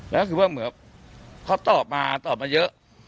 แล้วคือว่าเหมือนเขาตอบมาตอบมาเยอะ